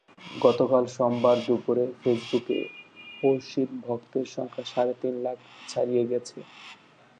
গতকাল সোমবার দুপুরে ফেসবুকে পড়শীর ভক্তের সংখ্যা সাড়ে তিন লাখ ছাড়িয়ে গেছে।